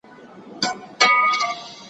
تاسي زما كيسې ته غوږ نيسئ يارانو